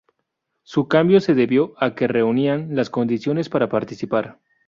Su cambio se debió a que reunían las condiciones para participar.